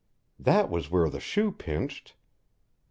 That was where the shoe pinched.